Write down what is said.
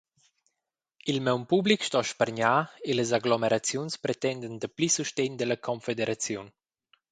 Il maun public sto spargnar e las aglomeraziuns pretendan dapli sustegn dalla confederaziun.